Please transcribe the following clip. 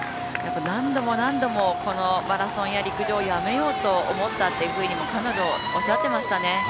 何度も何度も、マラソンや陸上をやめようと思ったっていうふうにも彼女おっしゃってましたね。